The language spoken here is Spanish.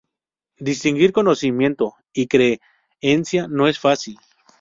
Distinguir conocimiento y creencia no es fácil.